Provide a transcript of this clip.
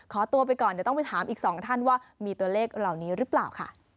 ขอตัวไปก่อนเดี๋ยวต้องไปถามอีกสองท่านว่ามีตัวเลขเหล่านี้หรือเปล่าค่ะ